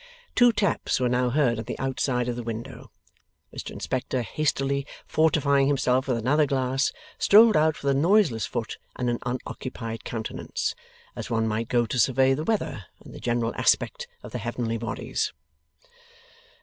Two taps were now heard on the outside of the window. Mr Inspector, hastily fortifying himself with another glass, strolled out with a noiseless foot and an unoccupied countenance. As one might go to survey the weather and the general aspect of the heavenly bodies.